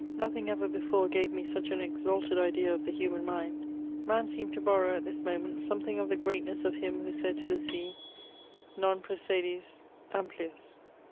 Nothing ever before gave me such an exalted idea of the human mind; man seemed to borrow, at this moment, something of the greatness of Him who said to the sea, Non procedes amplius.